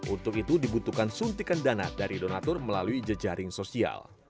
untuk itu dibutuhkan suntikan dana dari donatur melalui jejaring sosial